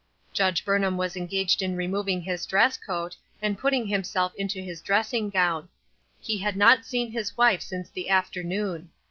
Judge Burnham was engaged in removing his dress coat, and putting himself into his dressing gown ; he had not seen his wife since the after noon.